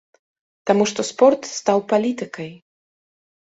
Таму што спорт стаў палітыкай.